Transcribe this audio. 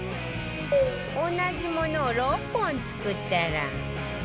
同じものを６本作ったら